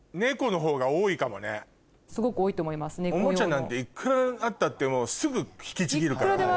おもちゃなんていくらあったってすぐ引きちぎるから。